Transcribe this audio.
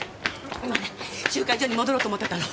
今ね集会所に戻ろうと思ってたの。